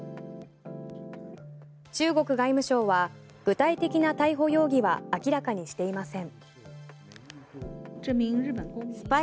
中国外務省は具体的な逮捕容疑は明らかにしていません。